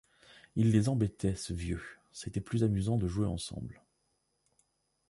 Il les embêtait, ce vieux! c’était plus amusant de jouer ensemble.